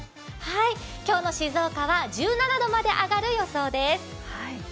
今日の静岡は１７度まで上がる予想です。